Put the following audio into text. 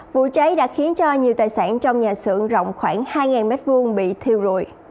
vụ cháy đã khiến cho nhiều tài sản trong nhà xưởng rộng khoảng hai m hai bị thiêu rụi